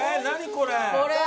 これ！